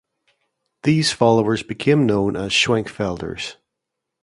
These followers became known as Schwenkfelders.